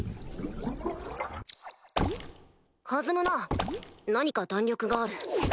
弾むな何か弾力がある。